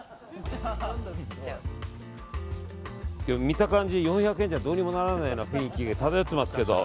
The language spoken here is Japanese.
見た感じ、４００円ではどうにもならないような雰囲気が漂ってますけど。